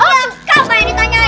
oh kamu yang ditanyain